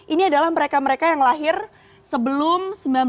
ini adalah mereka mereka yang lahir sebelum seribu sembilan ratus sembilan puluh